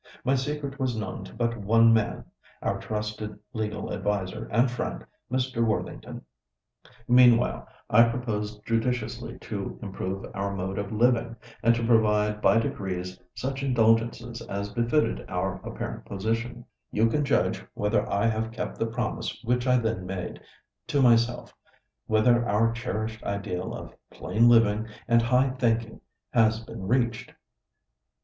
My secret was known to but one man, our trusted legal adviser and friend, Mr. Worthington. Meanwhile, I proposed judiciously to improve our mode of living, and to provide, by degrees, such indulgences as befitted our apparent position. You can judge whether I have kept the promise which I then made to myself, whether our cherished ideal of 'plain living and high thinking' has been reached."